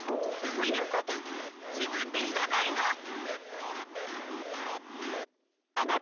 そういうこと自分で言わないの！